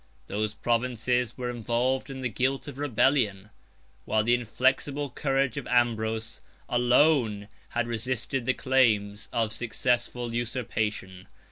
Those provinces were involved in the guilt of rebellion; while the inflexible courage of Ambrose alone had resisted the claims of successful usurpation.